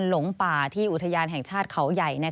หลงป่าที่อุทยานแห่งชาติเขาใหญ่